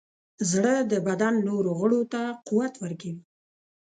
زړه د بدن نورو غړو ته قوت ورکوي.